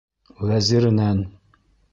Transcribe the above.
Вәзиренән: